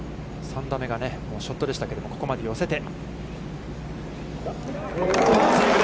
３打目が、ショットでしたけど、ここまで寄せて。